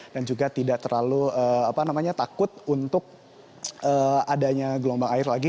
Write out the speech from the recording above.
dan juga tidak terlalu takut untuk adanya gelombang air lagi